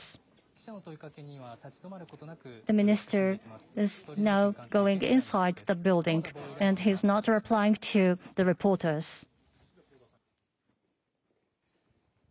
記者の問いかけには立ち止まることなく、進んでいきます。